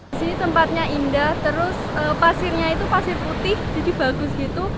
disini tempatnya indah pasirnya itu pasir putih jadi bagus gitu